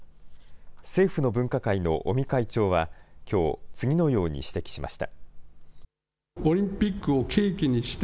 政府の分科会の尾身会長は、きょう、次のように指摘しました。